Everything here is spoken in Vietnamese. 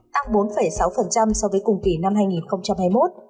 tăng bốn sáu so với cùng kỳ năm hai nghìn hai mươi một